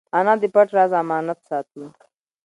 انا د پټ راز امانت ساتي